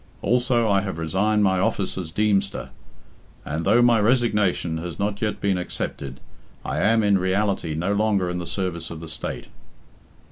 Also, I have resigned my office as Deemster, and, though my resignation has not yet been accepted, I am, in reality, no longer in the service of the State."